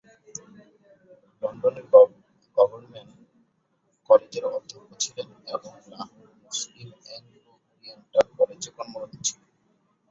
লন্ডনের গভর্নমেন্ট কলেজের অধ্যক্ষ ছিলেন ও লাহোরের মুসলিম অ্যাংলো-অরিয়েন্টাল কলেজে কর্মরত ছিলেন।